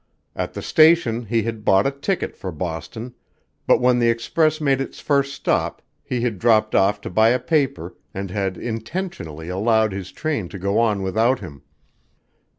At the station he had bought a ticket for Boston, but when the express made its first stop he had dropped off to buy a paper and had intentionally allowed his train to go on without him.